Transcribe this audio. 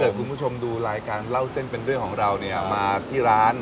ถ้าเกิดคุณผู้ชมดูรายการเล่าเส้นเป็นเรื่องของเรามาที่ร้าน